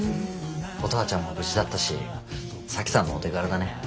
乙葉ちゃんも無事だったし沙樹さんのお手柄だね。